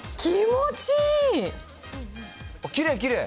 きれい、きれい。